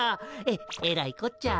ええらいこっちゃ。